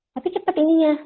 tapi cepet ininya